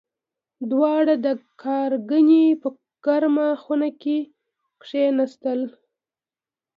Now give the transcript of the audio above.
دواړه د کارنګي په ګرمه خونه کې کېناستل